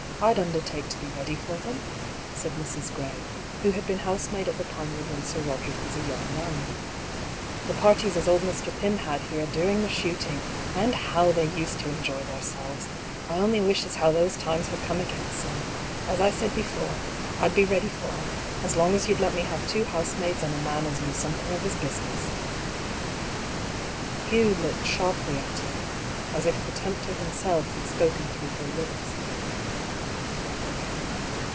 I'd undertake to be ready for them," said Mrs. Gray, who had been housemaid at the Pinewood when Sir Roderick was a young man. " The parties as old Mr. Pym had here during the shooting ! And how they used to enjoy theirselves ! I only wish as how those times would come again, sir. As I said before, I'd be ready for 'em, as long as you'd let me have two housemaids and a man as knew something of his business." A DISAPPOINTMENT. 189 Hugh looked sharply at her — as if the tempter him self had spoken through her lips.